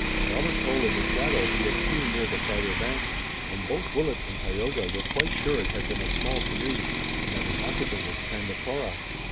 Robert told of the shadow he had seen near the farther bank, and both Willet and Tayoga were quite sure it had been a small canoe, and that its occupant was Tandakora.